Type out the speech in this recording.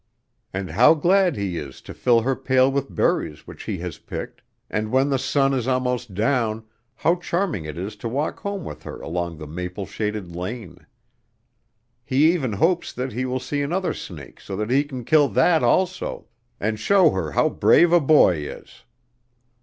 And how glad he is to fill her pail with berries which he has picked, and when the sun is almost down how charming it is to walk home with her along the maple shaded lane! He even hopes that he will see another snake so that he can kill that also, and show her how brave a boy is.